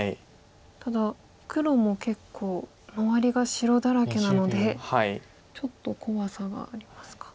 ただ黒も結構周りが白だらけなのでちょっと怖さがありますか。